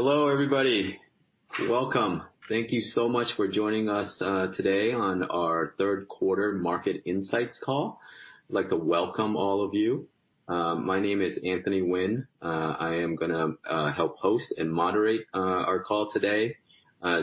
Hello, everybody. Welcome. Thank you so much for joining us today on our third quarter market insights call. I'd like to welcome all of you. My name is Anthony Nguyen. I am gonna help host and moderate our call today.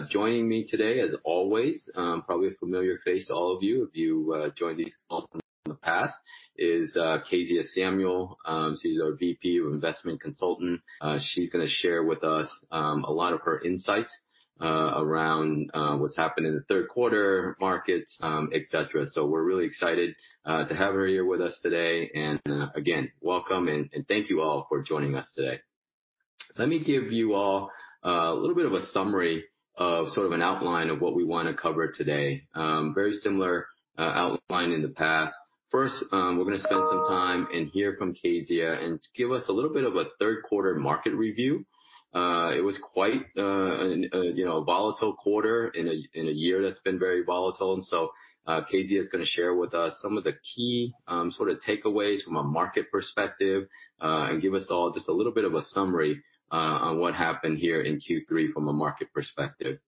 Joining me today as always, probably a familiar face to all of you if you joined these calls in the past, is Kezia Samuel. She's our VP investment consultant. She's gonna share with us a lot of her insights around what's happened in the third quarter markets, et cetera. We're really excited to have her here with us today. Again, welcome and thank you all for joining us today. Let me give you all a little bit of a summary of sort of an outline of what we wanna cover today. Very similar outline in the past. First, we're gonna spend some time and hear from Kezia to give us a little bit of a third quarter market review. It was quite, you know, volatile quarter in a year that's been very volatile. Kezia is gonna share with us some of the key sort of takeaways from a market perspective and give us all just a little bit of a summary on what happened here in Q3 from a market perspective.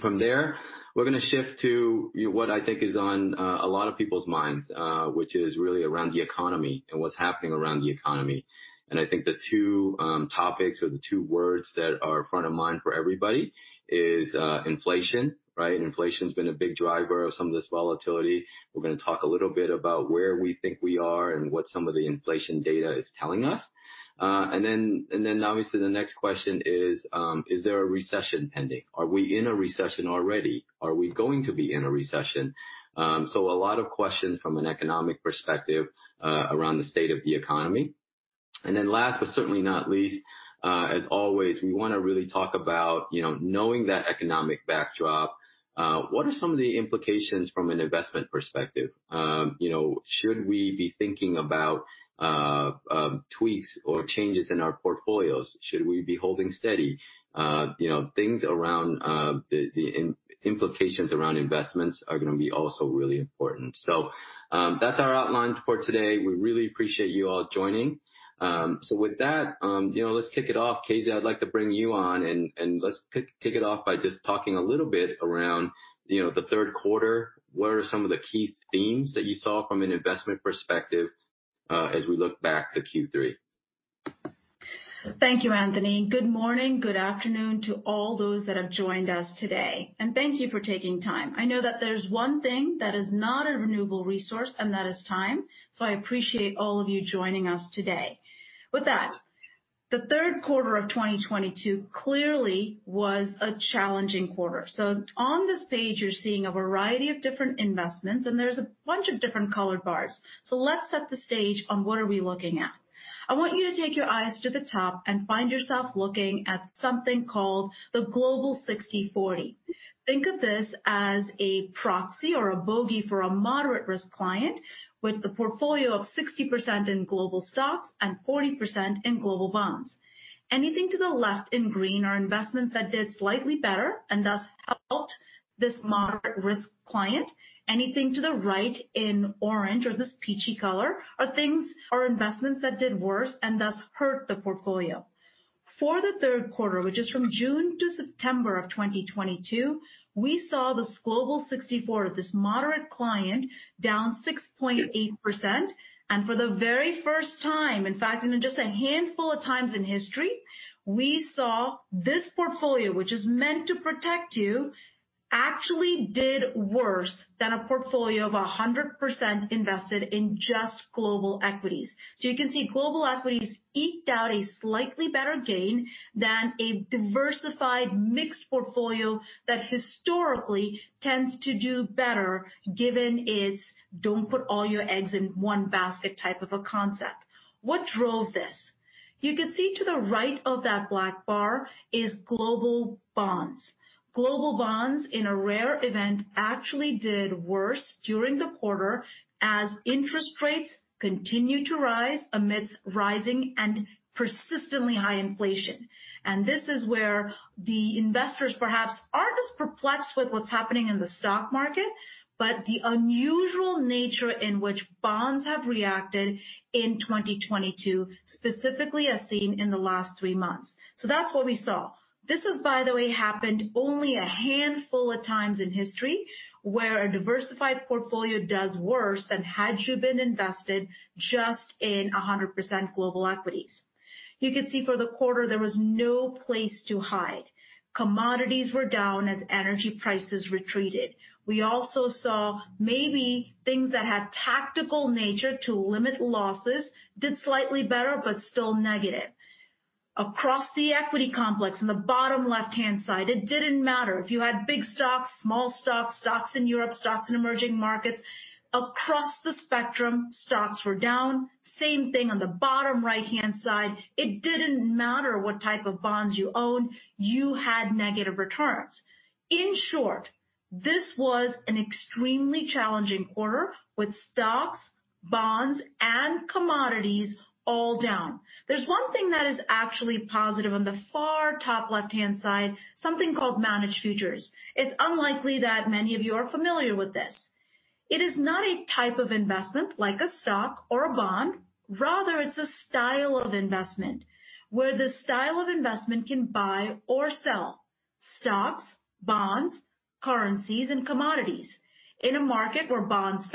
From there, we're gonna shift to what I think is on a lot of people's minds, which is really around the economy and what's happening around the economy. I think the two topics or the two words that are front of mind for everybody is inflation, right? Inflation's been a big driver of some of this volatility. We're gonna talk a little bit about where we think we are and what some of the inflation data is telling us. Obviously the next question is there a recession pending? Are we in a recession already? Are we going to be in a recession? A lot of questions from an economic perspective around the state of the economy. Last, but certainly not least, as always, we wanna really talk about, you know, knowing that economic backdrop, what are some of the implications from an investment perspective? You know, should we be thinking about tweaks or changes in our portfolios? Should we be holding steady? You know, things around the implications around investments are gonna be also really important. That's our outline for today. We really appreciate you all joining. With that, you know, let's kick it off. Kezia, I'd like to bring you on and let's kick it off by just talking a little bit around, you know, the third quarter. What are some of the key themes that you saw from an investment perspective, as we look back to Q3? Thank you, Anthony. Good morning, good afternoon to all those that have joined us today. Thank you for taking time. I know that there's one thing that is not a renewable resource, and that is time, so I appreciate all of you joining us today. With that, the third quarter of 2022 clearly was a challenging quarter. On this page, you're seeing a variety of different investments, and there's a bunch of different colored bars. Let's set the stage on what are we looking at? I want you to take your eyes to the top and find yourself looking at something called the Global 60/40. Think of this as a proxy or a bogey for a moderate risk client with the portfolio of 60% in global stocks and 40% in global bonds. Anything to the left in green are investments that did slightly better and thus helped this moderate risk client. Anything to the right in orange or this peachy color are things or investments that did worse and thus hurt the portfolio. For the third quarter, which is from June to September of 2022, we saw this Global 60/40, this moderate client, down 6.8%. For the very first time, in fact, in just a handful of times in history, we saw this portfolio, which is meant to protect you, actually did worse than a portfolio of 100% invested in just global equities. You can see global equities eked out a slightly better gain than a diversified mixed portfolio that historically tends to do better given its don't put all your eggs in one basket type of a concept. What drove this? You can see to the right of that black bar is global bonds. Global bonds, in a rare event, actually did worse during the quarter as interest rates continued to rise amidst rising and persistently high inflation. This is where the investors perhaps aren't as perplexed with what's happening in the stock market, but the unusual nature in which bonds have reacted in 2022, specifically as seen in the last three months. That's what we saw. This has, by the way, happened only a handful of times in history where a diversified portfolio does worse than had you been invested just in 100% global equities. You could see for the quarter there was no place to hide. Commodities were down as energy prices retreated. We also saw maybe things that had tactical nature to limit losses did slightly better, but still negative. Across the equity complex in the bottom left-hand side, it didn't matter if you had big stocks, small stocks in Europe, stocks in emerging markets. Across the spectrum, stocks were down. Same thing on the bottom right-hand side. It didn't matter what type of bonds you owned. You had negative returns. In short, this was an extremely challenging quarter with stocks, bonds, and commodities all down. There's one thing that is actually positive on the far top left-hand side, something called managed futures. It's unlikely that many of you are familiar with this. It is not a type of investment like a stock or a bond. Rather, it's a style of investment, where the style of investment can buy or sell stocks, bonds, currencies, and commodities. In a market where bonds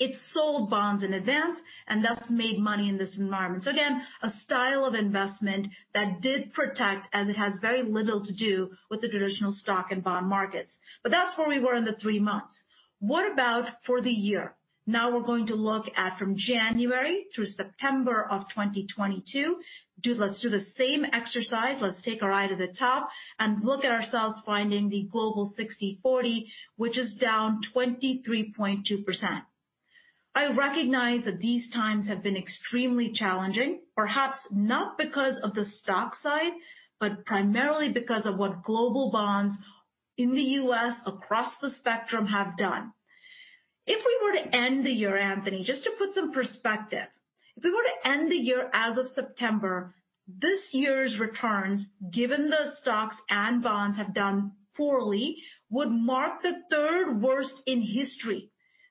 fell, it sold bonds in advance and thus made money in this environment. Again, a style of investment that did protect as it has very little to do with the traditional stock and bond markets. That's where we were in the three months. What about for the year? Now we're going to look at from January through September of 2022. Let's do the same exercise. Let's take our eye to the top and look at ourselves finding the Global 60/40, which is down 23.2%. I recognize that these times have been extremely challenging, perhaps not because of the stock side, but primarily because of what global bonds in the U.S. across the spectrum have done. If we were to end the year, Anthony, just to put some perspective, if we were to end the year as of September, this year's returns, given the stocks and bonds have done poorly, would mark the third-worst in history.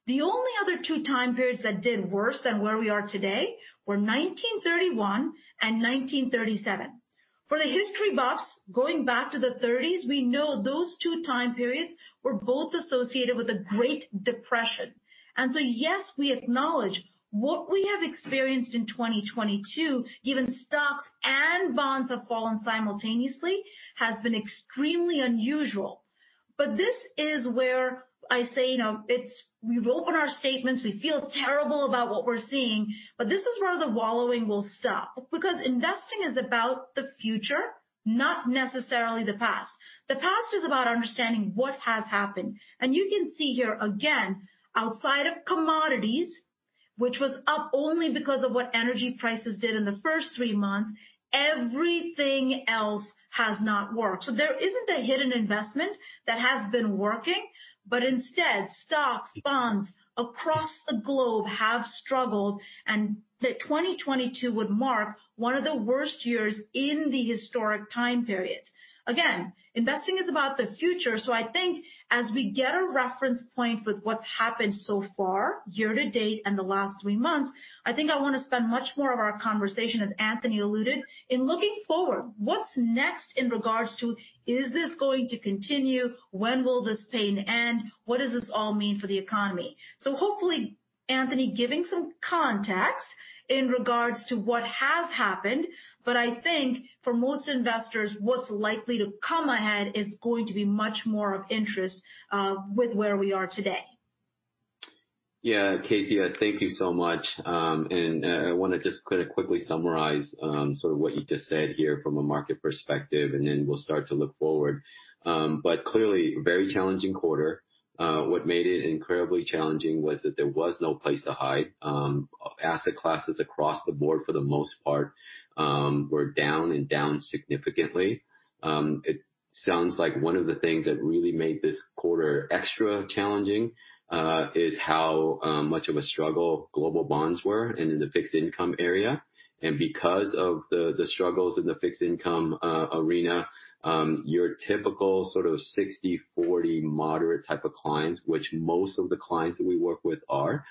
The only other two time periods that did worse than where we are today were 1931 and 1937. For the history buffs, going back to the 1930s, we know those two time periods were both associated with the Great Depression. Yes, we acknowledge what we have experienced in 2022, given stocks and bonds have fallen simultaneously, has been extremely unusual. This is where I say, you know, it's. We've opened our statements, we feel terrible about what we're seeing, but this is where the wallowing will stop, because investing is about the future, not necessarily the past. The past is about understanding what has happened. You can see here again, outside of commodities, which was up only because of what energy prices did in the first three months, everything else has not worked. There isn't a hidden investment that has been working, but instead, stocks, bonds across the globe have struggled, and that 2022 would mark one of the worst years in the historic time period. Again, investing is about the future, so I think as we get a reference point with what's happened so far year to date and the last three months, I think I wanna spend much more of our conversation, as Anthony alluded, in looking forward. What's next in regards to, is this going to continue? When will this pain end? What does this all mean for the economy? Hopefully, Anthony, giving some context in regards to what has happened, but I think for most investors, what's likely to come ahead is going to be much more of interest with where we are today. Yeah. Kezia, thank you so much. I wanna just kinda quickly summarize, sort of what you just said here from a market perspective, and then we'll start to look forward. Clearly very challenging quarter. What made it incredibly challenging was that there was no place to hide. Asset classes across the board, for the most part, were down and down significantly. It sounds like one of the things that really made this quarter extra challenging, is how, much of a struggle global bonds were and in the fixed income area. Because of the struggles in the fixed income arena, your typical sort of 60/40 moderate type of clients, which most of the clients that we work with are,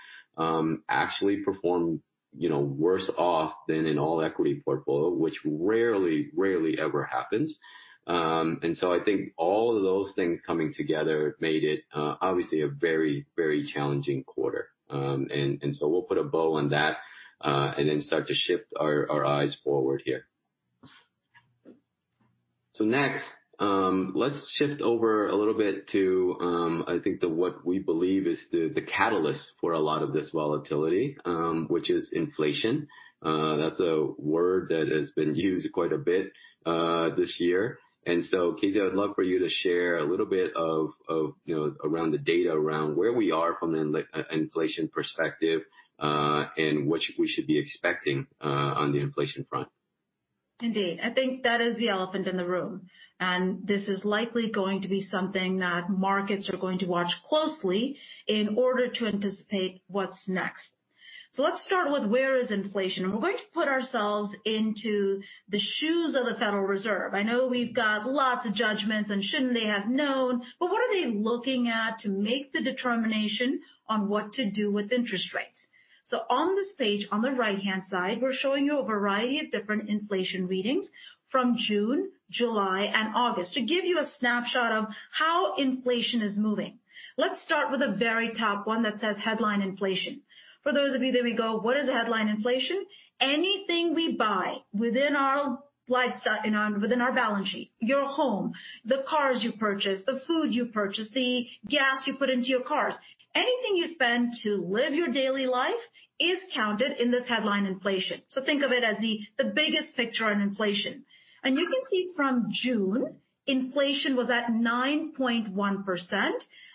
actually performed, you know, worse off than an all-equity portfolio, which rarely ever happens. I think all of those things coming together made it obviously a very, very challenging quarter. We'll put a bow on that and then start to shift our eyes forward here. Next, let's shift over a little bit to what we believe is the catalyst for a lot of this volatility, which is inflation. That's a word that has been used quite a bit this year. Kezia, I would love for you to share a little bit, you know, around the data around where we are from an inflation perspective and what we should be expecting on the inflation front. Indeed. I think that is the elephant in the room, and this is likely going to be something that markets are going to watch closely in order to anticipate what's next. Let's start with where is inflation? We're going to put ourselves into the shoes of the Federal Reserve. I know we've got lots of judgments on shouldn't they have known, but what are they looking at to make the determination on what to do with interest rates? On this page, on the right-hand side, we're showing you a variety of different inflation readings from June, July, and August to give you a snapshot of how inflation is moving. Let's start with the very top one that says headline inflation. For those of you that may go, "What is headline inflation?" Anything we buy within our lifestyle and on. Within our balance sheet, your home, the cars you purchase, the food you purchase, the gas you put into your cars. Anything you spend to live your daily life is counted in this headline inflation. Think of it as the biggest picture on inflation. You can see from June, inflation was at 9.1%,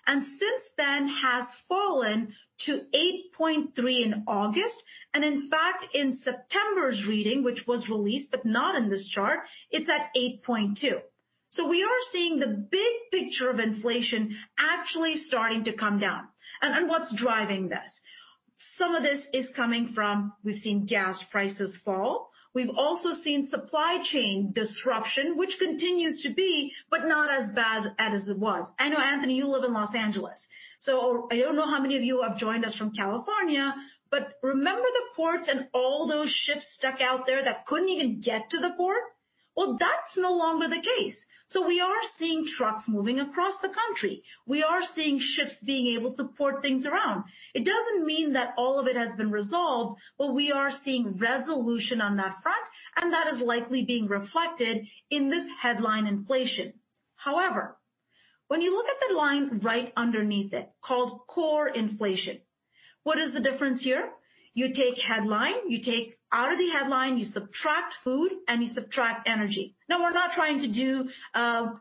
and since then has fallen to 8.3% in August. In fact, in September's reading, which was released, but not in this chart, it's at 8.2%. We are seeing the big picture of inflation actually starting to come down. What's driving this? Some of this is coming from, we've seen gas prices fall. We've also seen supply chain disruption, which continues to be, but not as bad as it was. I know, Anthony, you live in Los Angeles, so I don't know how many of you have joined us from California, but remember the ports and all those ships stuck out there that couldn't even get to the port? Well, that's no longer the case. We are seeing trucks moving across the country. We are seeing ships being able to port things around. It doesn't mean that all of it has been resolved, but we are seeing resolution on that front, and that is likely being reflected in this headline inflation. However, when you look at the line right underneath it called core inflation, what is the difference here? You take headline, you take out of the headline, you subtract food, and you subtract energy. Now, we're not trying to do,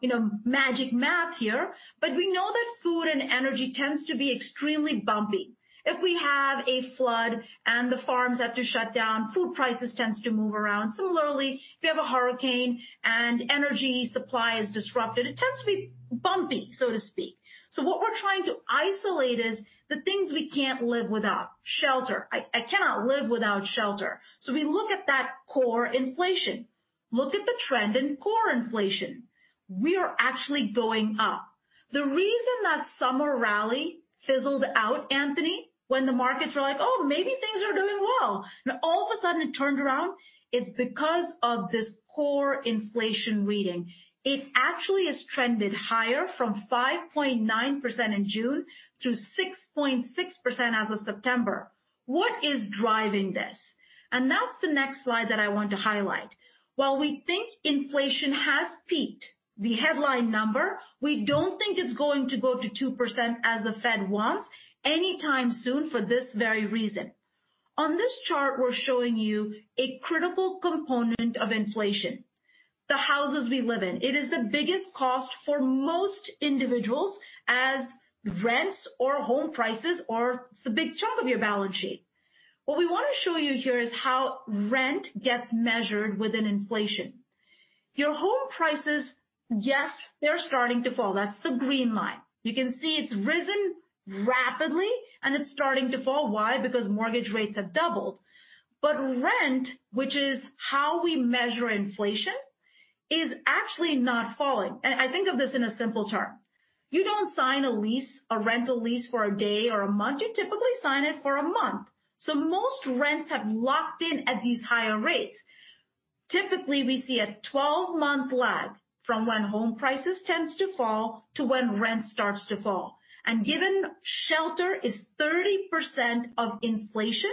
you know, magic math here, but we know that food and energy tends to be extremely bumpy. If we have a flood and the farms have to shut down, food prices tends to move around. Similarly, if you have a hurricane and energy supply is disrupted, it tends to be bumpy, so to speak. What we're trying to isolate is the things we can't live without. Shelter. I cannot live without shelter. We look at that core inflation. Look at the trend in core inflation. We are actually going up. The reason that summer rally fizzled out, Anthony, when the markets were like, "Oh, maybe things are doing well," and all of a sudden it turned around, it's because of this core inflation reading. It actually has trended higher from 5.9% in June through 6.6% as of September. What is driving this? That's the next slide that I want to highlight. While we think inflation has peaked, the headline number, we don't think it's going to go to 2% as the Fed wants anytime soon for this very reason. On this chart, we're showing you a critical component of inflation, the houses we live in. It is the biggest cost for most individuals as rents or home prices are the big chunk of your balance sheet. What we wanna show you here is how rent gets measured within inflation. Your home prices, yes, they're starting to fall. That's the green line. You can see it's risen rapidly, and it's starting to fall. Why? Because mortgage rates have doubled. But rent, which is how we measure inflation, is actually not falling. I think of this in a simple term. You don't sign a lease, a rental lease for a day or a month. You typically sign it for a month. Most rents have locked in at these higher rates. Typically, we see a 12-month lag from when home prices tends to fall to when rent starts to fall. Given shelter is 30% of inflation,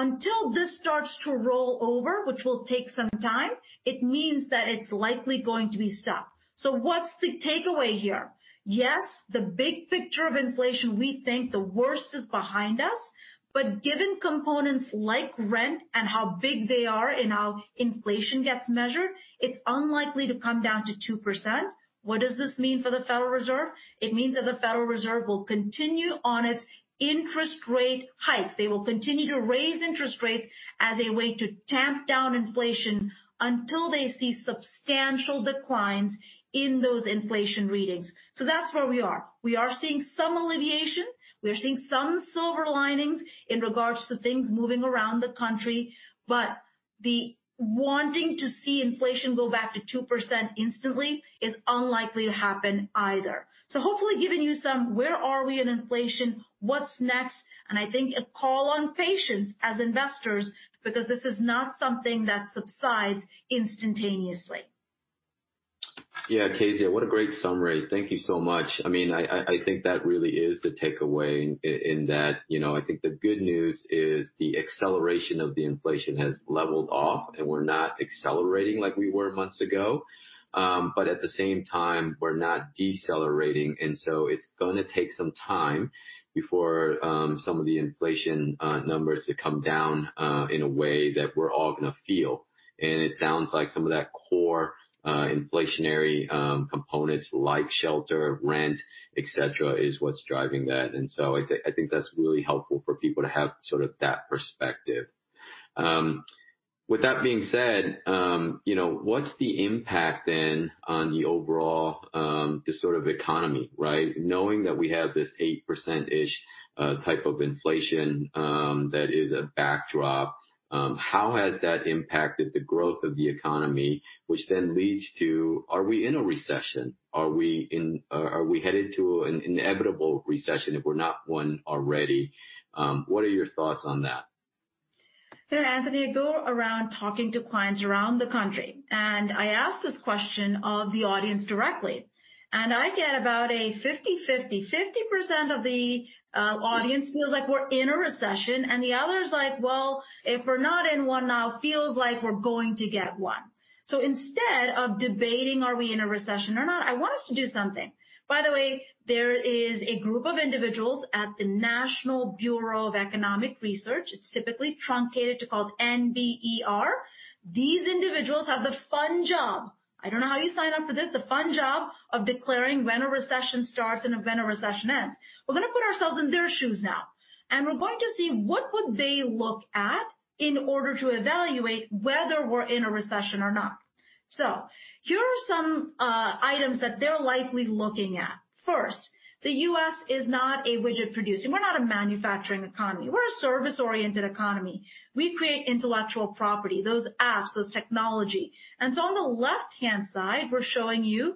until this starts to roll over, which will take some time, it means that it's likely going to be stuck. What's the takeaway here? Yes, the big picture of inflation, we think the worst is behind us, but given components like rent and how big they are in how inflation gets measured, it's unlikely to come down to 2%. What does this mean for the Federal Reserve? It means that the Federal Reserve will continue on its interest rate hikes. They will continue to raise interest rates as a way to tamp down inflation until they see substantial declines in those inflation readings. That's where we are. We are seeing some alleviation. We are seeing some silver linings in regards to things moving around the country, but the wanting to see inflation go back to 2% instantly is unlikely to happen either. Hopefully given you some where are we in inflation, what's next, and I think a call on patience as investors because this is not something that subsides instantaneously. Yeah, Kezia, what a great summary. Thank you so much. I mean, I think that really is the takeaway in that, you know, I think the good news is the acceleration of the inflation has leveled off, and we're not accelerating like we were months ago. At the same time, we're not decelerating, and it's gonna take some time before some of the inflation numbers to come down in a way that we're all gonna feel. It sounds like some of that core inflationary components like shelter, rent, et cetera, is what's driving that. I think that's really helpful for people to have sort of that perspective. With that being said, you know, what's the impact then on the overall, the sort of economy, right? Knowing that we have this 8%-ish type of inflation that is a backdrop, how has that impacted the growth of the economy, which then leads to are we in a recession? Are we headed to an inevitable recession if we're not one already? What are your thoughts on that? Anthony, I go around talking to clients around the country, and I ask this question of the audience directly, and I get about a 50/50. 50% of the audience feels like we're in a recession, and the other is like, "Well, if we're not in one now, feels like we're going to get one." Instead of debating are we in a recession or not, I want us to do something. By the way, there is a group of individuals at the National Bureau of Economic Research. It's typically called NBER. These individuals have the fun job, I don't know how you sign up for this, the fun job of declaring when a recession starts and when a recession ends. We're gonna put ourselves in their shoes now, and we're going to see what would they look at in order to evaluate whether we're in a recession or not. Here are some items that they're likely looking at. First, the U.S. is not a widget producer. We're not a manufacturing economy. We're a service-oriented economy. We create intellectual property, those apps, those technology. On the left-hand side, we're showing you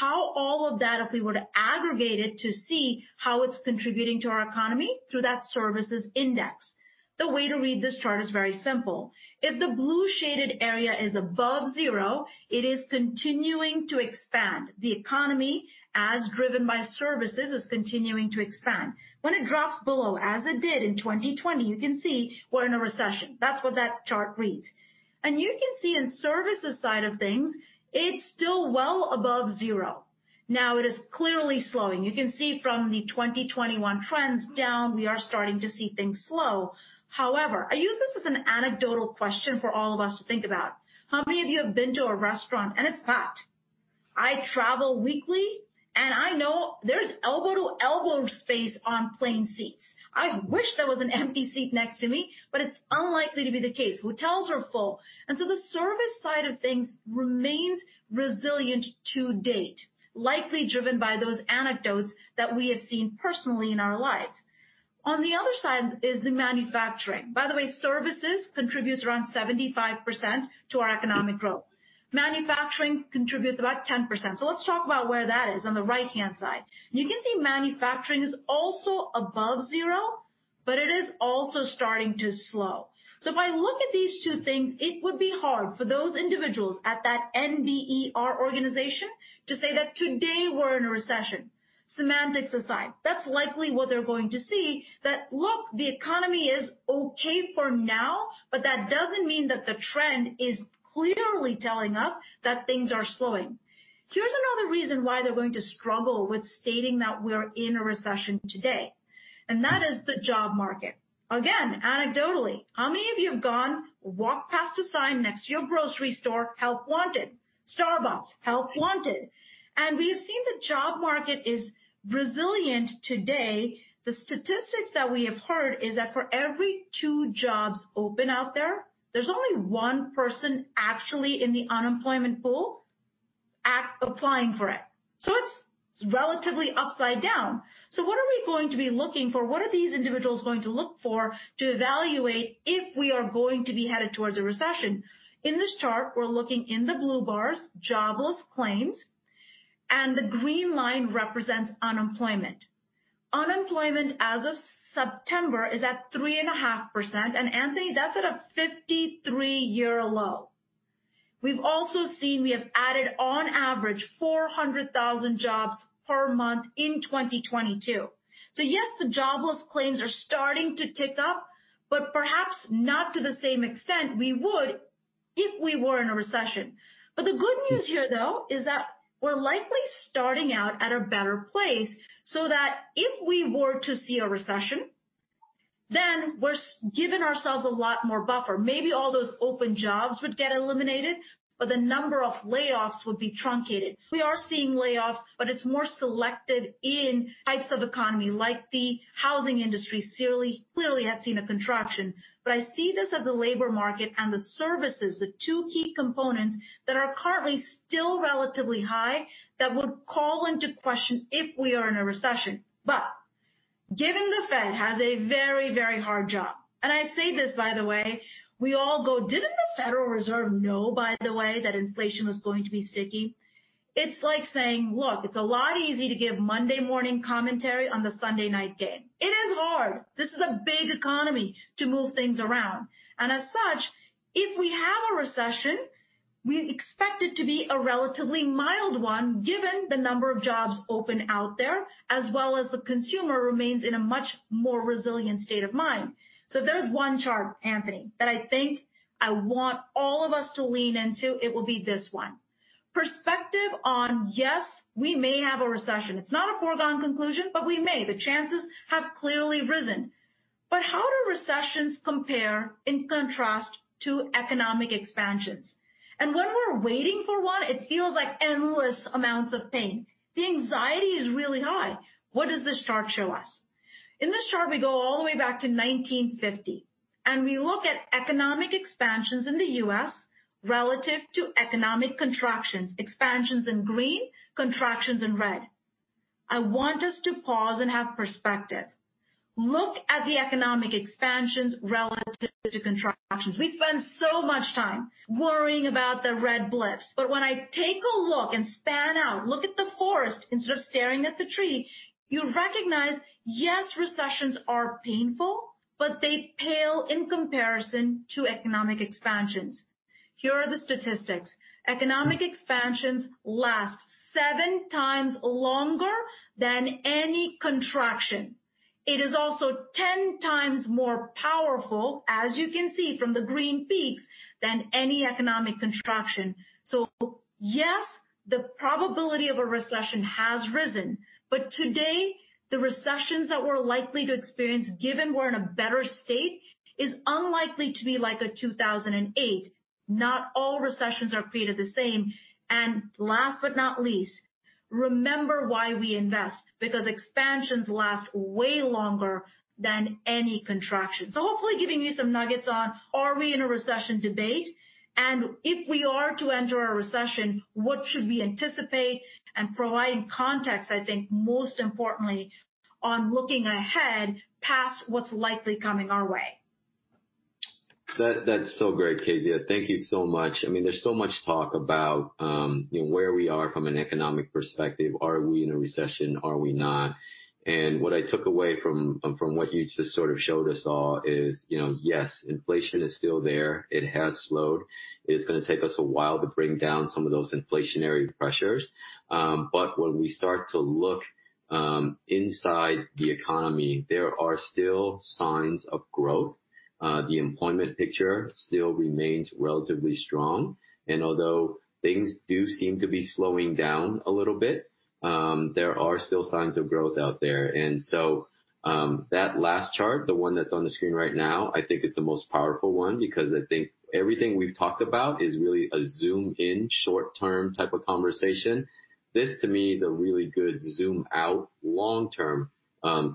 how all of that, if we were to aggregate it to see how it's contributing to our economy through that services index. The way to read this chart is very simple. If the blue shaded area is above zero, it is continuing to expand. The economy, as driven by services, is continuing to expand. When it drops below, as it did in 2020, you can see we're in a recession. That's what that chart reads. You can see in services side of things, it's still well above zero. Now it is clearly slowing. You can see from the 2021 trends down, we are starting to see things slow. However, I use this as an anecdotal question for all of us to think about. How many of you have been to a restaurant and it's packed? I travel weekly, and I know there's elbow to elbow space on plane seats. I wish there was an empty seat next to me, but it's unlikely to be the case. Hotels are full. The service side of things remains resilient to date, likely driven by those anecdotes that we have seen personally in our lives. On the other side is the manufacturing. By the way, services contributes around 75% to our economic growth. Manufacturing contributes about 10%. Let's talk about where that is on the right-hand side. You can see manufacturing is also above zero, but it is also starting to slow. If I look at these two things, it would be hard for those individuals at that NBER organization to say that today we're in a recession. Semantics aside, that's likely what they're going to see, that look, the economy is okay for now, but that doesn't mean that the trend is clearly telling us that things are slowing. Here's another reason why they're going to struggle with stating that we're in a recession today, and that is the job market. Again, anecdotally, how many of you have gone, walked past a sign next to your grocery store, "Help wanted," Starbucks, "Help wanted"? We have seen the job market is resilient today. The statistics that we have heard is that for every two jobs open out there's only one person actually in the unemployment pool applying for it. It's relatively upside down. What are we going to be looking for? What are these individuals going to look for to evaluate if we are going to be headed towards a recession? In this chart, we're looking in the blue bars, jobless claims, and the green line represents unemployment. Unemployment as of September is at 3.5%, and Anthony, that's at a 53-year low. We've also seen we have added on average 400,000 jobs per month in 2022. Yes, the jobless claims are starting to tick up, but perhaps not to the same extent we would if we were in a recession. The good news here, though, is that we're likely starting out at a better place so that if we were to see a recession, then we're giving ourselves a lot more buffer. Maybe all those open jobs would get eliminated, but the number of layoffs would be truncated. We are seeing layoffs, but it's more selective in types of economy, like the housing industry clearly has seen a contraction. I see this as a labor market and the services, the two key components that are currently still relatively high, that would call into question if we are in a recession. Given the Fed has a very, very hard job, and I say this, by the way, we all go, "Didn't the Federal Reserve know, by the way, that inflation was going to be sticky?" It's like saying, "Look, it's a lot easier to give Monday morning commentary on the Sunday night game." It is hard, this is a big economy to move things around. As such, if we have a recession, we expect it to be a relatively mild one, given the number of jobs open out there, as well as the consumer remains in a much more resilient state of mind. There's one chart, Anthony, that I think I want all of us to lean into. It will be this one. Perspective on, yes, we may have a recession. It's not a foregone conclusion, but we may. The chances have clearly risen. How do recessions compare in contrast to economic expansions? When we're waiting for one, it feels like endless amounts of pain. The anxiety is really high. What does this chart show us? In this chart, we go all the way back to 1950, and we look at economic expansions in the U.S. relative to economic contractions. Expansions in green, contractions in red. I want us to pause and have perspective. Look at the economic expansions relative to contractions. We spend so much time worrying about the red blips. When I take a look and span out, look at the forest instead of staring at the tree, you recognize, yes, recessions are painful, but they pale in comparison to economic expansions. Here are the statistics. Economic expansions last 7x longer than any contraction. It is also 10x more powerful, as you can see from the green peaks, than any economic contraction. Yes, the probability of a recession has risen, but today, the recessions that we're likely to experience, given we're in a better state, is unlikely to be like a 2008. Not all recessions are created the same. Last but not least, remember why we invest, because expansions last way longer than any contraction. Hopefully giving you some nuggets on are we in a recession debate, and if we are to enter a recession, what should we anticipate and provide context, I think most importantly on looking ahead past what's likely coming our way. That's so great, Kezia. Thank you so much. I mean, there's so much talk about, you know, where we are from an economic perspective. Are we in a recession? Are we not? What I took away from what you just sort of showed us all is, you know, yes, inflation is still there. It has slowed. It's gonna take us a while to bring down some of those inflationary pressures. When we start to look inside the economy, there are still signs of growth. The employment picture still remains relatively strong. Although things do seem to be slowing down a little bit, there are still signs of growth out there. That last chart, the one that's on the screen right now, I think is the most powerful one, because I think everything we've talked about is really a zoom-in short-term type of conversation. This, to me, is a really good zoom-out long-term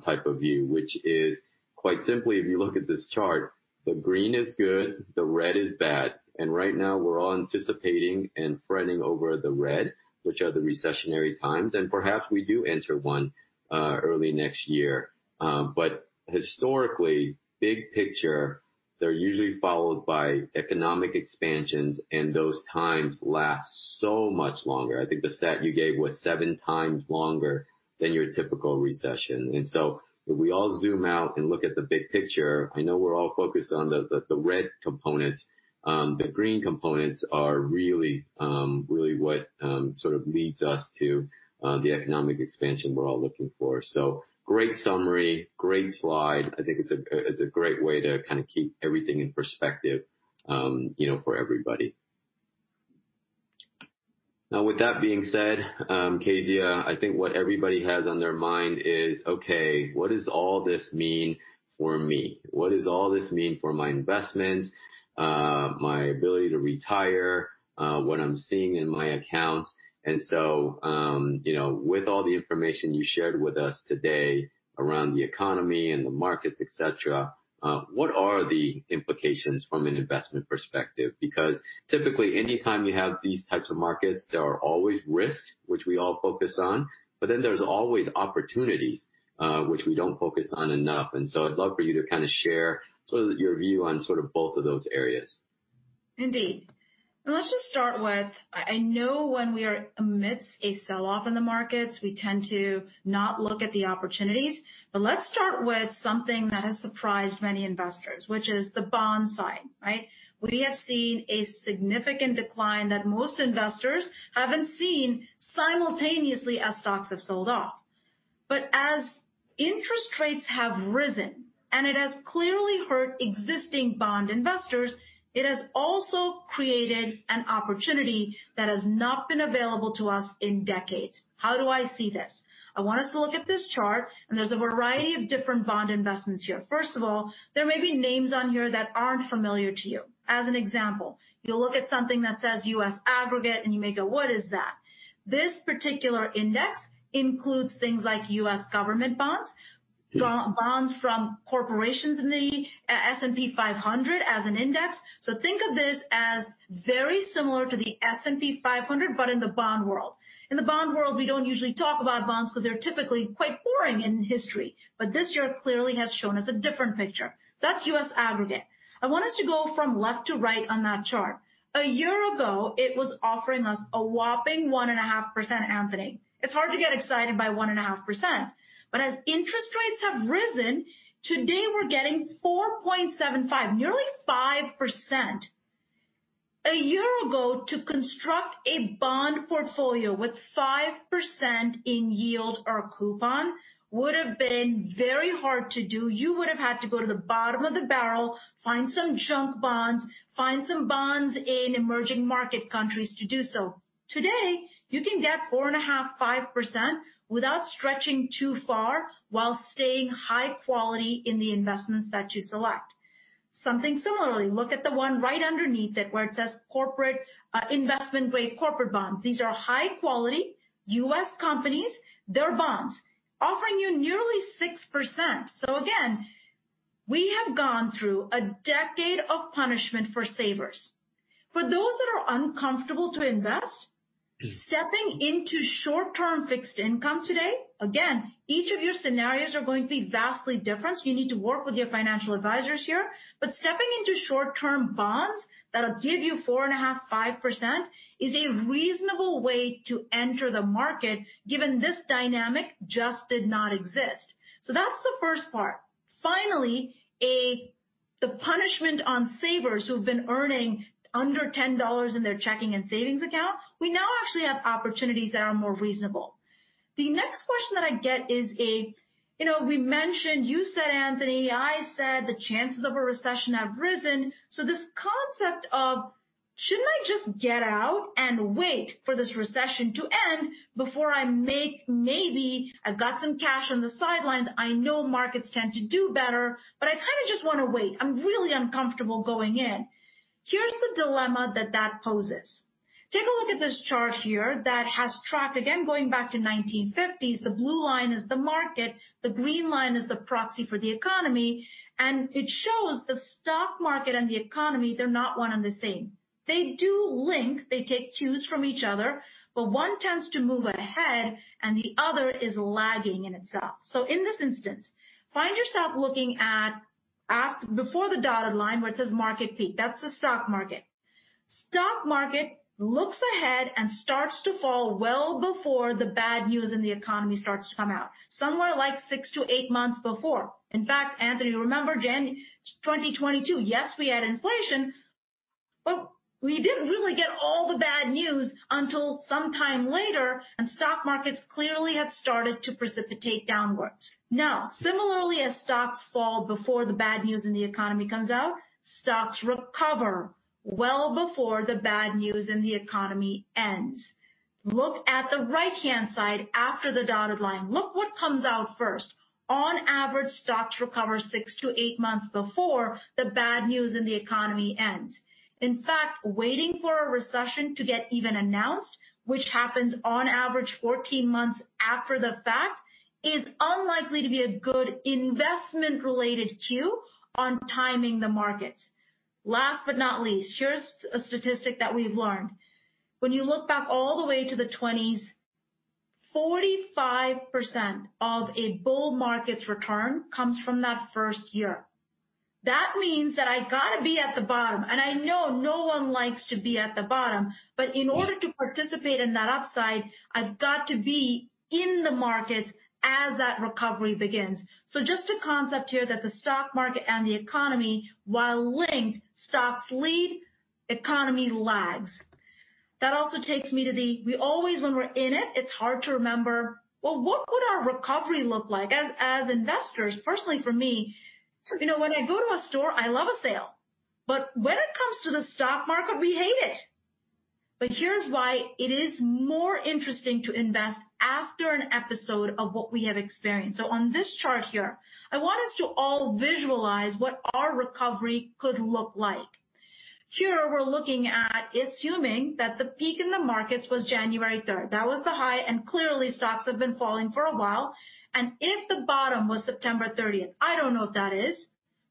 type of view, which is quite simply, if you look at this chart, the green is good, the red is bad. Right now we're all anticipating and fretting over the red, which are the recessionary times. Perhaps we do enter one, early next year. Historically, big picture, they're usually followed by economic expansions, and those times last so much longer. I think the stat you gave was 7x longer than your typical recession. If we all zoom out and look at the big picture, I know we're all focused on the red components. The green components are really what sort of leads us to the economic expansion we're all looking for. Great summary, great slide. I think it's a great way to kinda keep everything in perspective, you know, for everybody. Now with that being said, Kezia, I think what everybody has on their mind is, okay, what does all this mean for me? What does all this mean for my investments, my ability to retire, what I'm seeing in my accounts? You know, with all the information you shared with us today around the economy and the markets, et cetera, what are the implications from an investment perspective? Because typically anytime you have these types of markets, there are always risks, which we all focus on, but then there's always opportunities, which we don't focus on enough. I'd love for you to kinda share sort of your view on sort of both of those areas. Indeed. Let's just start with I know when we are amidst a sell-off in the markets, we tend to not look at the opportunities. Let's start with something that has surprised many investors, which is the bond side, right? We have seen a significant decline that most investors haven't seen simultaneously as stocks have sold off. As interest rates have risen, and it has clearly hurt existing bond investors, it has also created an opportunity that has not been available to us in decades. How do I see this? I want us to look at this chart, and there's a variety of different bond investments here. First of all, there may be names on here that aren't familiar to you. As an example, you'll look at something that says U.S. Aggregate, and you may go, "What is that?" This particular index includes things like U.S. government bonds from corporations in the S&P 500 as an index. Think of this as very similar to the S&P 500, but in the bond world. In the bond world, we don't usually talk about bonds 'cause they're typically quite boring in history, but this year clearly has shown us a different picture. That's U.S. Aggregate. I want us to go from left to right on that chart. A year ago, it was offering us a whopping 1.5%, Anthony. It's hard to get excited by 1.5%. As interest rates have risen, today we're getting 4.75, nearly 5%. A year ago, to construct a bond portfolio with 5% in yield or coupon would've been very hard to do. You would've had to go to the bottom of the barrel, find some junk bonds, find some bonds in emerging market countries to do so. Today, you can get 4.5% without stretching too far while staying high quality in the investments that you select. Something similarly, look at the one right underneath it, where it says corporate investment-grade corporate bonds. These are high-quality U.S. companies, their bonds. Offering you nearly 6%. Again, we have gone through a decade of punishment for savers. For those that are uncomfortable to invest, stepping into short-term fixed income today, again, each of your scenarios are going to be vastly different, so you need to work with your financial advisors here, but stepping into short-term bonds that'll give you 4.5%-5% is a reasonable way to enter the market, given this dynamic just did not exist. That's the first part. Finally, the punishment on savers who've been earning under $10 in their checking and savings account, we now actually have opportunities that are more reasonable. The next question that I get is. You know, we mentioned, you said, Anthony, I said the chances of a recession have risen. This concept of shouldn't I just get out and wait for this recession to end before I make... Maybe I've got some cash on the sidelines, I know markets tend to do better, but I kinda just wanna wait. I'm really uncomfortable going in. Here's the dilemma that poses. Take a look at this chart here that has tracked, again, going back to 1950s. The blue line is the market, the green line is the proxy for the economy, and it shows the stock market and the economy, they're not one and the same. They do link. They take cues from each other, but one tends to move ahead and the other is lagging in itself. In this instance, find yourself looking at before the dotted line where it says market peak, that's the stock market. Stock market looks ahead and starts to fall well before the bad news in the economy starts to come out, somewhat like 6-8 months before. In fact, Anthony, remember January 2022, yes, we had inflation, but we didn't really get all the bad news until sometime later, and stock markets clearly had started to depreciate downwards. Now, similarly, as stocks fall before the bad news in the economy comes out, stocks recover well before the bad news in the economy ends. Look at the right-hand side after the dotted line. Look what comes out first. On average, stocks recover 6-8 months before the bad news in the economy ends. In fact, waiting for a recession to get even announced, which happens on average 14 months after the fact, is unlikely to be a good investment-related cue on timing the market. Last but not least, here's a statistic that we've learned. When you look back all the way to the twenties, 45% of a bull market's return comes from that first year. That means that I gotta be at the bottom, and I know no one likes to be at the bottom. In order to participate in that upside, I've got to be in the market as that recovery begins. Just a concept here that the stock market and the economy, while linked, stocks lead, economy lags. That also takes me to the We always when we're in it's hard to remember, well, what would our recovery look like? As investors, personally for me, you know, when I go to a store, I love a sale. When it comes to the stock market, we hate it. Here's why it is more interesting to invest after an episode of what we have experienced. On this chart here, I want us to all visualize what our recovery could look like. Here, we're looking at assuming that the peak in the markets was January third. That was the high, and clearly stocks have been falling for a while. If the bottom was September thirtieth, I don't know if that is,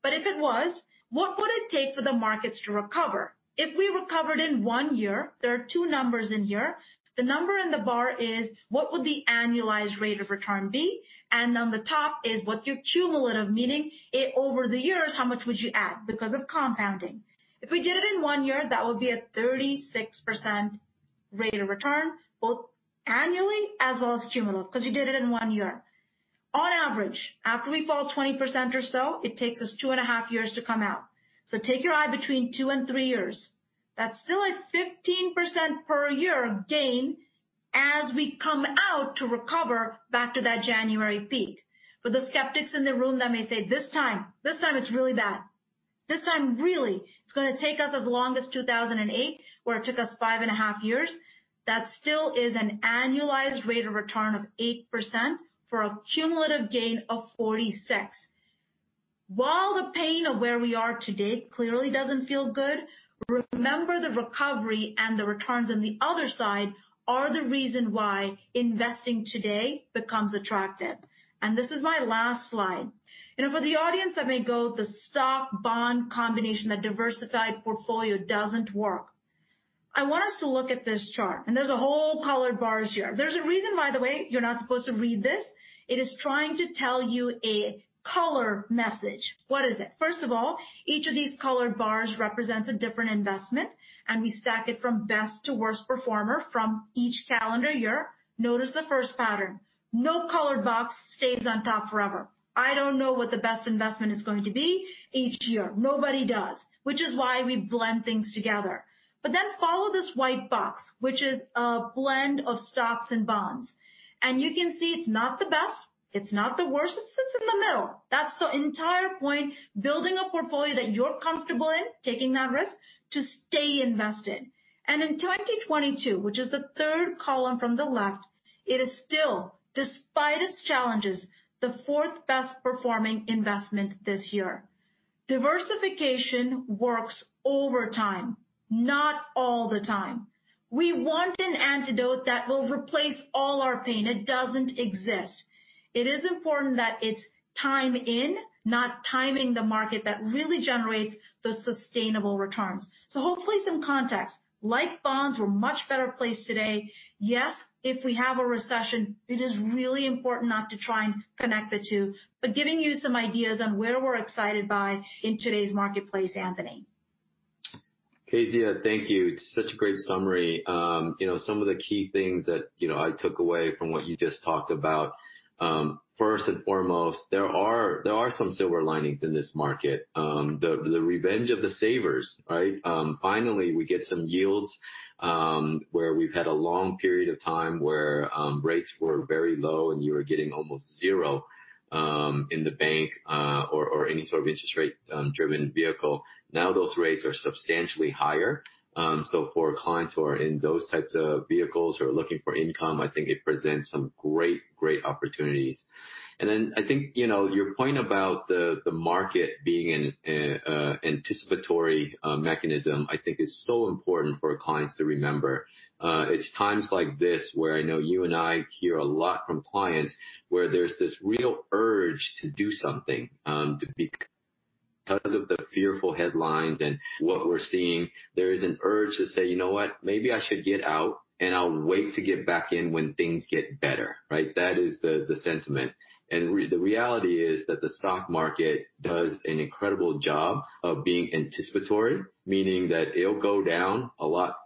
but if it was, what would it take for the markets to recover? If we recovered in one year, there are two numbers in here. The number in the bar is what would the annualized rate of return be, and on the top is what your cumulative, meaning it over the years, how much would you add because of compounding. If we did it in one year, that would be a 36% rate of return, both annually as well as cumulative, 'cause you did it in one year. On average, after we fall 20% or so, it takes us 2.5 years to come out. Take your eye between two and three years. That's still a 15% per year gain as we come out to recover back to that January peak. For the skeptics in the room that may say, "This time. This time it's really bad. This time really it's gonna take us as long as 2008, where it took us 5.5 years." That still is an annualized rate of return of 8% for a cumulative gain of 46%. While the pain of where we are today clearly doesn't feel good, remember the recovery and the returns on the other side are the reason why investing today becomes attractive. This is my last slide. You know, for the audience that may go the stock-bond combination, a diversified portfolio doesn't work. I want us to look at this chart, and there's a whole colored bars here. There's a reason, by the way, you're not supposed to read this. It is trying to tell you a color message. What is it? First of all, each of these colored bars represents a different investment, and we stack it from best to worst performer from each calendar year. Notice the first pattern. No colored box stays on top forever. I don't know what the best investment is going to be each year. Nobody does, which is why we blend things together. Follow this white box, which is a blend of stocks and bonds. You can see it's not the best, it's not the worst, it's just in the middle. That's the entire point, building a portfolio that you're comfortable in, taking that risk, to stay invested. In 2022, which is the third column from the left, it is still, despite its challenges, the fourth best-performing investment this year. Diversification works over time, not all the time. We want an antidote that will replace all our pain. It doesn't exist. It is important that it's time in, not timing the market that really generates the sustainable returns. Hopefully some context. Like bonds, we're much better placed today. Yes, if we have a recession, it is really important not to try and connect the two. Giving you some ideas on where we're excited by in today's marketplace, Anthony. Kezia, thank you. It's such a great summary. You know, some of the key things that, you know, I took away from what you just talked about, first and foremost, there are some silver linings in this market. The revenge of the savers, right? Finally, we get some yields, where we've had a long period of time where rates were very low and you were getting almost zero in the bank, or any sort of interest rate driven vehicle. Now those rates are substantially higher. So for clients who are in those types of vehicles who are looking for income, I think it presents some great opportunities. I think, you know, your point about the market being an anticipatory mechanism, I think is so important for our clients to remember. It's times like this where I know you and I hear a lot from clients, where there's this real urge to do something, because of the fearful headlines and what we're seeing, there is an urge to say, "You know what? Maybe I should get out, and I'll wait to get back in when things get better." Right? That is the sentiment. The reality is that the stock market does an incredible job of being anticipatory, meaning that it'll go down a lot faster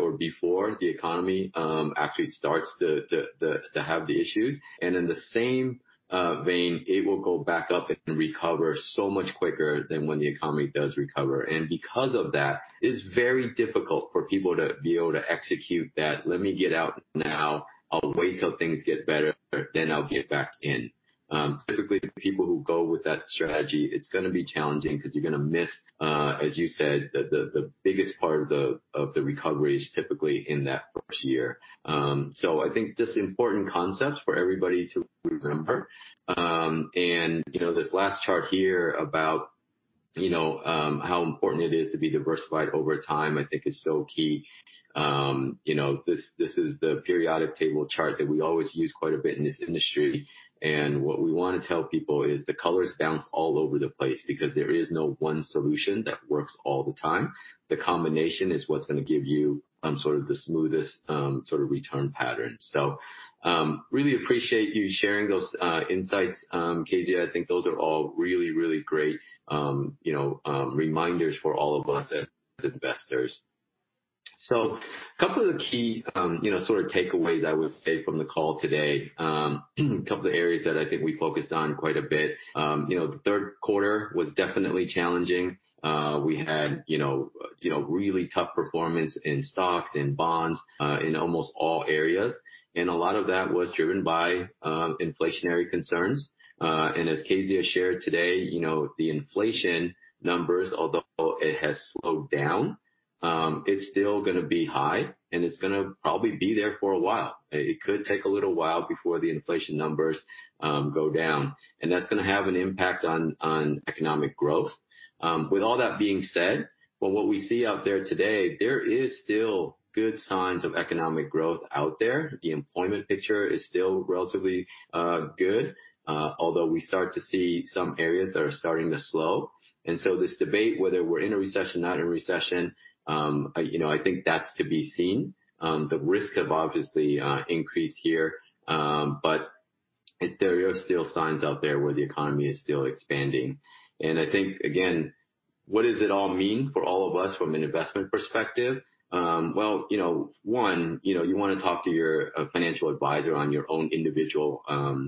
or before the economy actually starts to have the issues. In the same vein, it will go back up and recover so much quicker than when the economy does recover. Because of that, it's very difficult for people to be able to execute that, "Let me get out now. I'll wait till things get better, then I'll get back in." Typically, the people who go with that strategy, it's gonna be challenging because you're gonna miss, as you said, the biggest part of the recovery is typically in that first year. I think just important concepts for everybody to remember. You know, this last chart here about, you know, how important it is to be diversified over time, I think is so key. You know, this is the periodic table chart that we always use quite a bit in this industry. What we wanna tell people is the colors bounce all over the place because there is no one solution that works all the time. The combination is what's gonna give you sort of the smoothest sort of return pattern. Really appreciate you sharing those, insights, Kezia. I think those are all really, really great, you know, reminders for all of us as investors. Couple of the key, you know, sort of takeaways I would say from the call today. Couple of areas that I think we focused on quite a bit. You know, the third quarter was definitely challenging. We had, you know, really tough performance in stocks and bonds, in almost all areas. A lot of that was driven by, inflationary concerns. As Kezia shared today, you know, the inflation numbers, although it has slowed down, it's still gonna be high, and it's gonna probably be there for a while. It could take a little while before the inflation numbers go down, and that's gonna have an impact on economic growth. With all that being said, what we see out there today, there is still good signs of economic growth out there. The employment picture is still relatively good, although we start to see some areas that are starting to slow. This debate, whether we're in a recession, not in recession, you know, I think that's to be seen. The risk have obviously increased here. There are still signs out there where the economy is still expanding. I think again, what does it all mean for all of us from an investment perspective? Well, you know, one, you know, you wanna talk to your financial advisor on your own individual,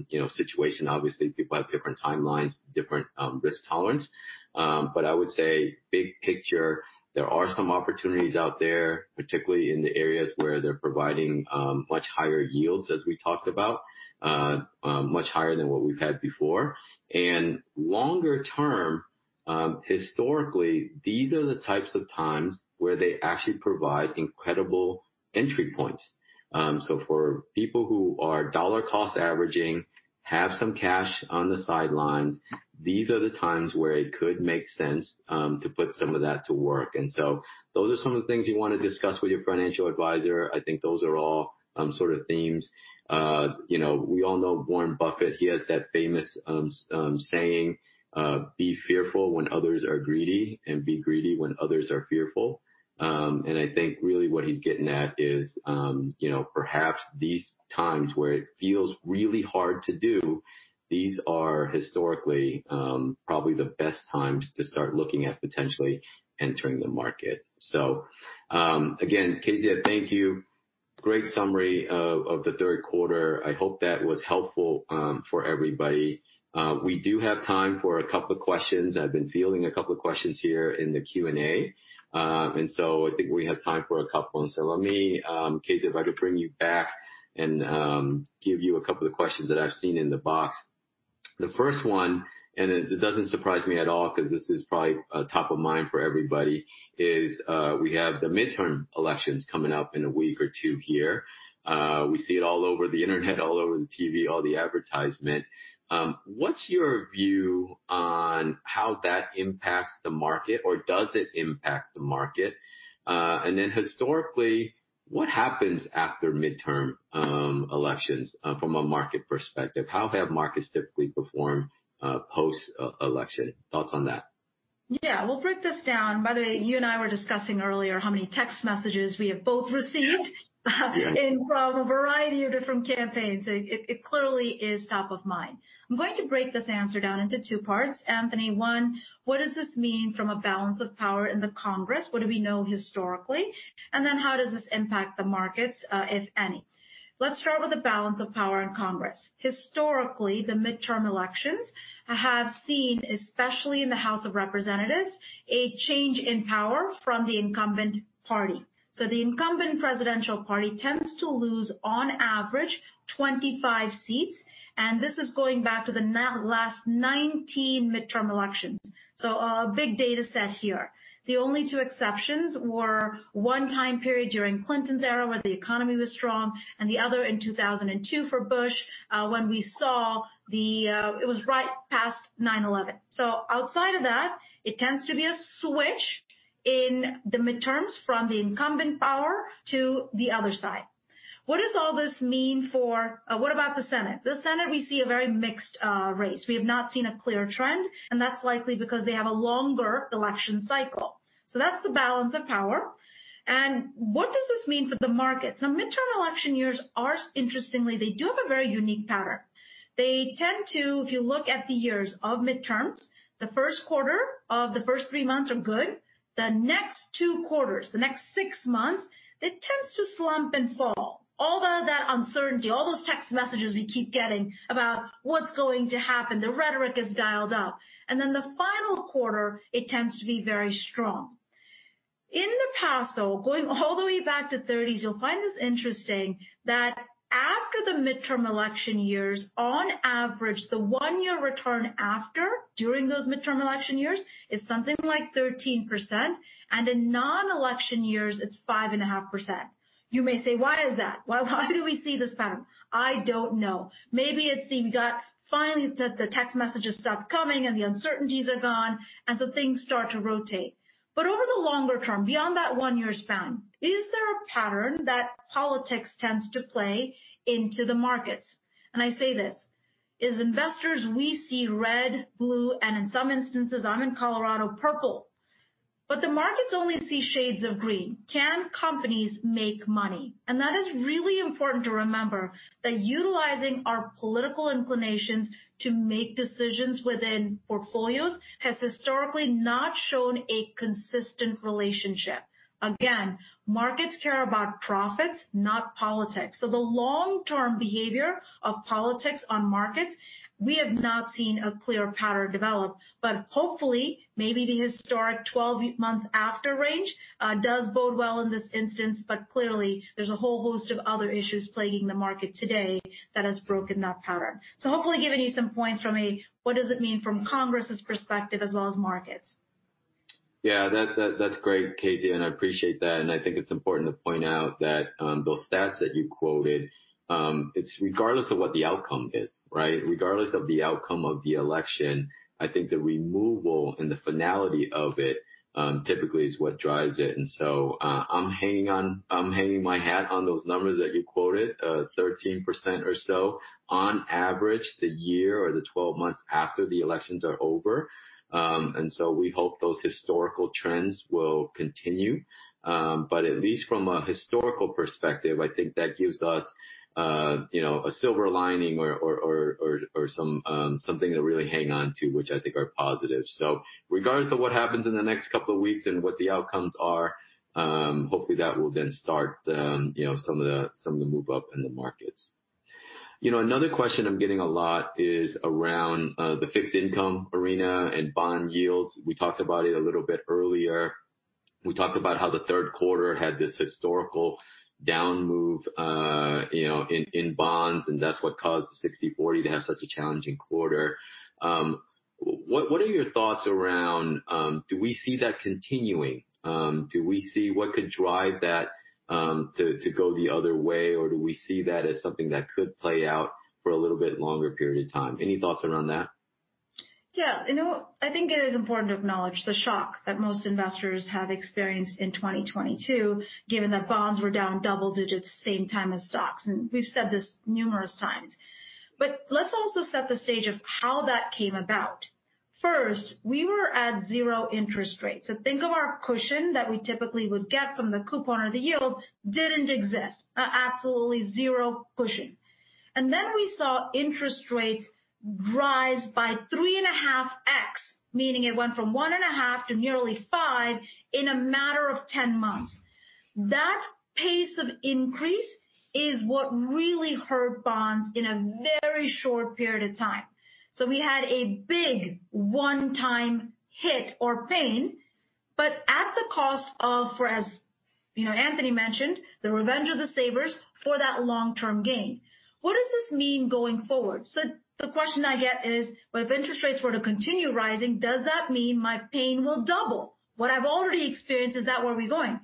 you know, situation. Obviously, people have different timelines, different risk tolerance. I would say big picture, there are some opportunities out there, particularly in the areas where they're providing much higher yields as we talked about, much higher than what we've had before. Longer term, historically, these are the types of times where they actually provide incredible entry points. For people who are dollar-cost averaging, have some cash on the sidelines, these are the times where it could make sense to put some of that to work. Those are some of the things you wanna discuss with your financial advisor. I think those are all sort of themes. You know, we all know Warren Buffett. He has that famous saying, "Be fearful when others are greedy, and be greedy when others are fearful." I think really what he's getting at is, you know, perhaps these times where it feels really hard to do. These are historically probably the best times to start looking at potentially entering the market. Again, Kezia, thank you. Great summary of the third quarter. I hope that was helpful for everybody. We do have time for a couple of questions. I've been fielding a couple of questions here in the Q&A. I think we have time for a couple. Let me, Kezia, if I could bring you back and give you a couple of questions that I've seen in the box. The first one, and it doesn't surprise me at all because this is probably top of mind for everybody, is we have the midterm elections coming up in a week or two here. We see it all over the internet, all over the TV, all the advertisement. What's your view on how that impacts the market or does it impact the market? Historically, what happens after midterm elections from a market perspective? How have markets typically performed post-election? Thoughts on that. Yeah. We'll break this down. By the way, you and I were discussing earlier how many text messages we have both received. Yeah. from a variety of different campaigns. It clearly is top of mind. I'm going to break this answer down into two parts, Anthony. One, what does this mean from a balance of power in Congress? What do we know historically? How does this impact the markets, if any? Let's start with the balance of power in Congress. Historically, the midterm elections have seen, especially in the House of Representatives, a change in power from the incumbent party. The incumbent presidential party tends to lose, on average, 25 seats, and this is going back to last 19 midterm elections. A big data set here. The only two exceptions were one time period during Clinton's era, where the economy was strong, and the other in 2002 for Bush, when we saw the. It was right past 9/11. Outside of that, it tends to be a switch in the midterms from the incumbent power to the other side. What does all this mean for? What about the Senate? The Senate we see a very mixed race. We have not seen a clear trend, and that's likely because they have a longer election cycle. That's the balance of power. What does this mean for the markets? Now, midterm election years are interestingly, they do have a very unique pattern. They tend to, if you look at the years of midterms, the first quarter of the first three months are good. The next two quarters, the next six months, it tends to slump and fall. That uncertainty, all those text messages we keep getting about what's going to happen, the rhetoric is dialed up. The final quarter, it tends to be very strong. In the past, though, going all the way back to thirties, you'll find this interesting, that after the midterm election years, on average, the one-year return after, during those midterm election years is something like 13%, and in nonelection years it's 5.5%. You may say, "Why is that? Why do we see this pattern?" I don't know. Maybe it's finally the text messages stop coming and the uncertainties are gone, and so things start to rotate. Over the longer term, beyond that one-year span, is there a pattern that politics tends to play into the markets? I say this. As investors, we see red, blue, and in some instances, I'm in Colorado, purple, but the markets only see shades of green. Can companies make money? That is really important to remember, that utilizing our political inclinations to make decisions within portfolios has historically not shown a consistent relationship. Again, markets care about profits, not politics. The long-term behavior of politics on markets, we have not seen a clear pattern develop. Hopefully, maybe the historic 12-month after range does bode well in this instance. Clearly there's a whole host of other issues plaguing the market today that has broken that pattern. Hopefully given you some points from a what does it mean from Congress's perspective as well as markets. Yeah, that's great, Kezia, and I appreciate that. I think it's important to point out that those stats that you quoted, it's regardless of what the outcome is, right? Regardless of the outcome of the election, I think the removal and the finality of it typically is what drives it. I'm hanging my hat on those numbers that you quoted, 13% or so on average, the year or the 12 months after the elections are over. We hope those historical trends will continue. At least from a historical perspective, I think that gives us you know a silver lining or some something to really hang on to, which I think are positive. Regardless of what happens in the next couple of weeks and what the outcomes are, hopefully that will then start, you know, some of the move up in the markets. You know, another question I'm getting a lot is around the fixed income arena and bond yields. We talked about it a little bit earlier. We talked about how the third quarter had this historical down move, you know, in bonds, and that's what caused the 60/40 to have such a challenging quarter. What are your thoughts around do we see that continuing? Do we see what could drive that to go the other way, or do we see that as something that could play out for a little bit longer period of time? Any thoughts around that? Yeah. You know what? I think it is important to acknowledge the shock that most investors have experienced in 2022, given that bonds were down double digits same time as stocks, and we've said this numerous times. Let's also set the stage of how that came about. First, we were at zero interest rates. Think of our cushion that we typically would get from the coupon or the yield didn't exist. Absolutely zero cushion. Then we saw interest rates rise by 3.5x, meaning it went from 1.5 to nearly 5 in a matter of 10 months. That pace of increase is what really hurt bonds in a very short period of time. We had a big one-time hit or pain, but at the cost of, for us, you know, Anthony mentioned, the revenge of the savers for that long-term gain. What does this mean going forward? The question I get is, "Well, if interest rates were to continue rising, does that mean my pain will double? What I've already experienced, is that where we're going?"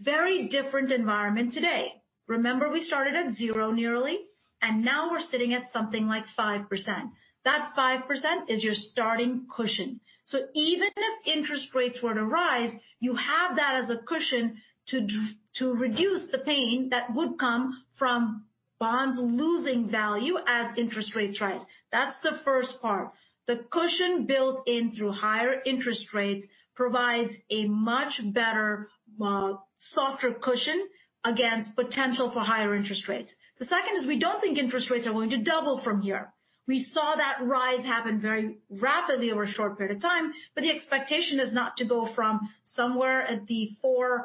Very different environment today. Remember we started at zero nearly, and now we're sitting at something like 5%. That 5% is your starting cushion. Even if interest rates were to rise, you have that as a cushion to reduce the pain that would come from bonds losing value as interest rates rise. That's the first part. The cushion built in through higher interest rates provides a much better, softer cushion against potential for higher interest rates. The second is we don't think interest rates are going to double from here. We saw that rise happen very rapidly over a short period of time, but the expectation is not to go from somewhere at the 4%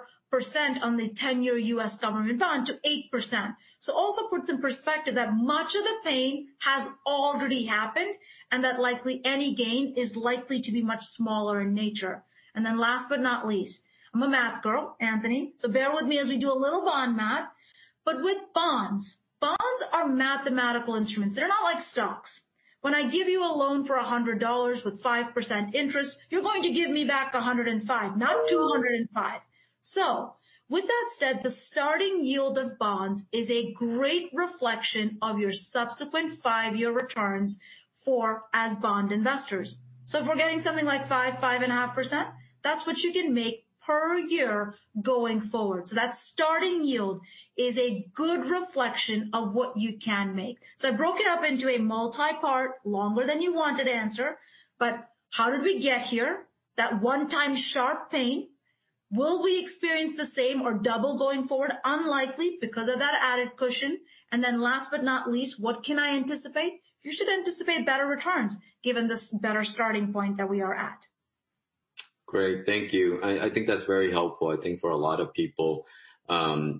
on the 10-year U.S. government bond to 8%. Also puts in perspective that much of the pain has already happened, and that likely any gain is likely to be much smaller in nature. Then last but not least, I'm a math girl, Anthony, so bear with me as we do a little bond math. With bonds are mathematical instruments. They're not like stocks. When I give you a loan for $100 with 5% interest, you're going to give me back $105, not $205. With that said, the starting yield of bonds is a great reflection of your subsequent five year returns for as bond investors. If we're getting something like 5.5%, that's what you can make per year going forward. That starting yield is a good reflection of what you can make. I broke it up into a multi-part, longer than you wanted answer, but how did we get here? That one-time sharp pain, will we experience the same or double going forward? Unlikely, because of that added cushion. Then last but not least, what can I anticipate? You should anticipate better returns given this better starting point that we are at. Great. Thank you. I think that's very helpful. I think for a lot of people,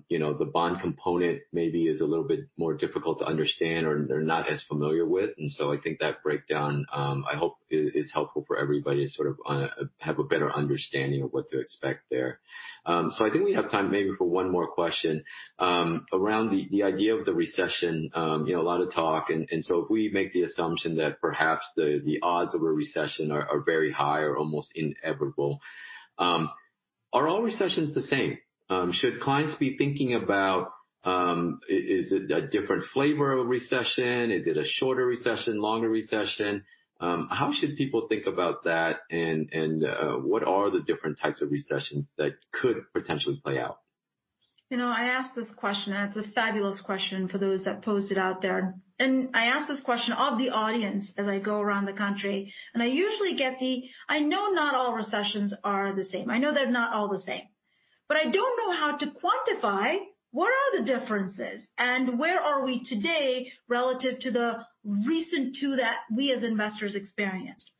you know, the bond component maybe is a little bit more difficult to understand or they're not as familiar with, and so I think that breakdown, I hope is helpful for everybody to sort of have a better understanding of what to expect there. I think we have time maybe for one more question. Around the idea of the recession, you know, a lot of talk and so if we make the assumption that perhaps the odds of a recession are very high or almost inevitable, are all recessions the same? Should clients be thinking about, is it a different flavor of recession? Is it a shorter recession, longer recession? How should people think about that and what are the different types of recessions that could potentially play out? You know, I ask this question, and it's a fabulous question for those that posed it out there. I ask this question of the audience as I go around the country, and I usually get the, "I know not all recessions are the same. I know they're not all the same, but I don't know how to quantify what are the differences and where are we today relative to the recent two that we as investors experienced."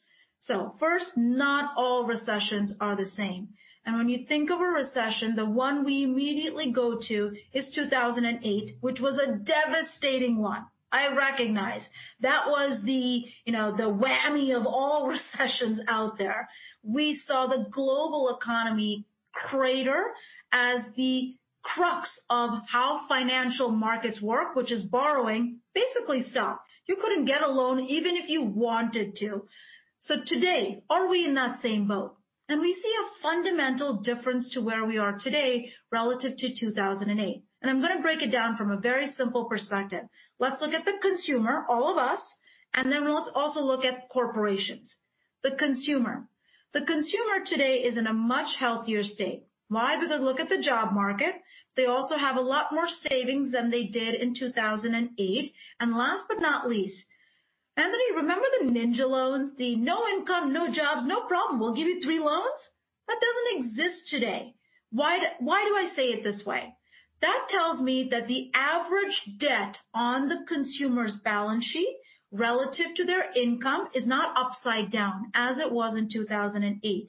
First, not all recessions are the same. When you think of a recession, the one we immediately go to is 2008, which was a devastating one. I recognize. That was the, you know, the whammy of all recessions out there. We saw the global economy crater as the crux of how financial markets work, which is borrowing, basically stopped. You couldn't get a loan even if you wanted to. Today, are we in that same boat? We see a fundamental difference to where we are today relative to 2008. I'm gonna break it down from a very simple perspective. Let's look at the consumer, all of us, and then let's also look at corporations. The consumer. The consumer today is in a much healthier state. Why? Because look at the job market. They also have a lot more savings than they did in 2008. Last but not least, Anthony, remember the NINJA loans, the no income, no jobs, no problem, we'll give you three loans? That doesn't exist today. Why do I say it this way? That tells me that the average debt on the consumer's balance sheet relative to their income is not upside down as it was in 2008.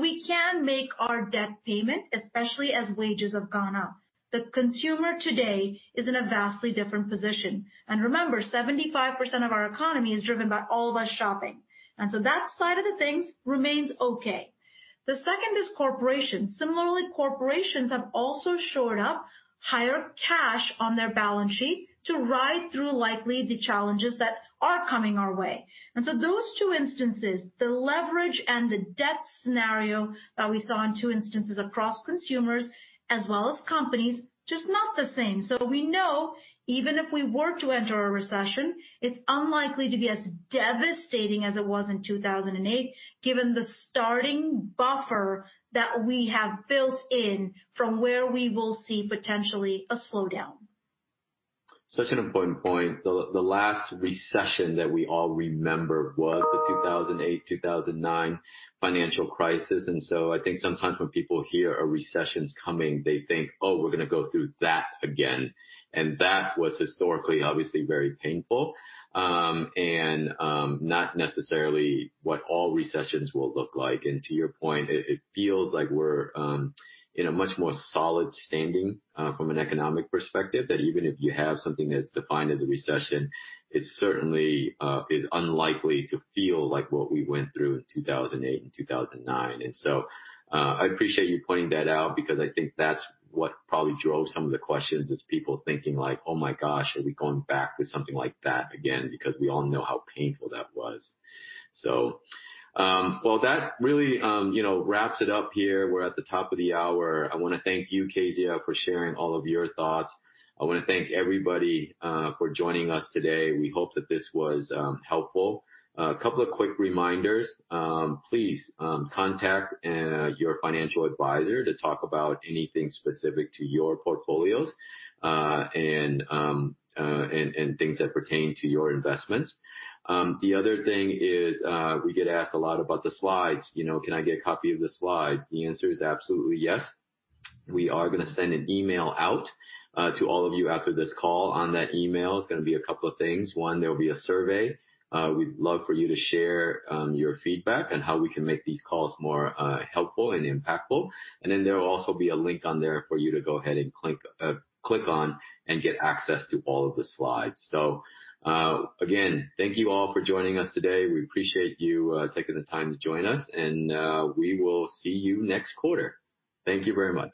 We can make our debt payment, especially as wages have gone up. The consumer today is in a vastly different position. Remember, 75% of our economy is driven by all of us shopping. That side of the things remains okay. The second is corporations. Similarly, corporations have also shored up higher cash on their balance sheet to ride through likely the challenges that are coming our way. Those two instances, the leverage and the debt scenario that we saw in two instances across consumers as well as companies, just not the same. We know even if we were to enter a recession, it's unlikely to be as devastating as it was in 2008, given the starting buffer that we have built in from where we will see potentially a slowdown. Such an important point. The last recession that we all remember was the 2008, 2009 financial crisis. I think sometimes when people hear a recession's coming, they think, "Oh, we're gonna go through that again." That was historically, obviously very painful. Not necessarily what all recessions will look like. To your point, it feels like we're in a much more solid standing from an economic perspective, that even if you have something that's defined as a recession, it certainly is unlikely to feel like what we went through in 2008 and 2009. I appreciate you pointing that out because I think that's what probably drove some of the questions, is people thinking like, "Oh my gosh, are we going back to something like that again?" Because we all know how painful that was. That really, you know, wraps it up here. We're at the top of the hour. I wanna thank you, Kezia, for sharing all of your thoughts. I wanna thank everybody for joining us today. We hope that this was helpful. A couple of quick reminders. Please contact your financial advisor to talk about anything specific to your portfolios, and things that pertain to your investments. The other thing is, we get asked a lot about the slides, you know, "Can I get a copy of the slides?" The answer is absolutely yes. We are gonna send an email out to all of you after this call. On that email is gonna be a couple of things. One, there will be a survey. We'd love for you to share your feedback on how we can make these calls more helpful and impactful. There will also be a link on there for you to go ahead and click on and get access to all of the slides. Again, thank you all for joining us today. We appreciate you taking the time to join us, and we will see you next quarter. Thank you very much.